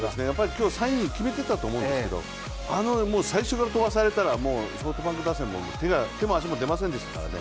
今日３イニング決めてたと思うんですけど最初から飛ばされたらもうソフトバンク打線は手も足も出ませんでしたからね。